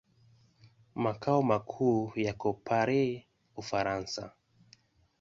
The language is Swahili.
Makao makuu yako Paris, Ufaransa.